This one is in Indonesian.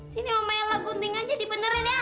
sini memelok gunting aja dibenerin ya